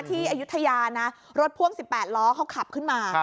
อายุทยานะรถพ่วง๑๘ล้อเขาขับขึ้นมา